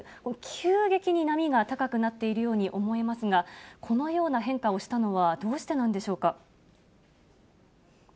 急激に波が高くなっているように思いますが、このような変化をしたのはどうしてなんでしょうか。